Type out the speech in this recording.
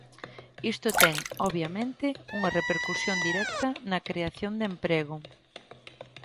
Isto ten, obviamente, unha repercusión directa na creación de emprego.